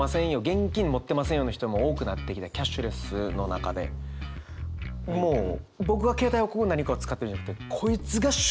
現金持ってませんよの人も多くなってきたキャッシュレスの中でもう僕が携帯をこう何かを使ってるんじゃなくてこいつが主になってるというか。